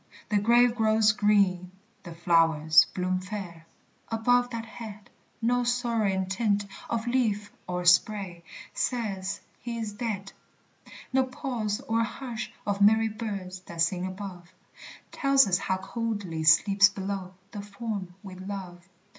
The grave grows green, the flowers bloom fair, Above that head; No sorrowing tint of leaf or spray Says he is dead. No pause or hush of merry birds That sing above Tells us how coldly sleeps below The form we love.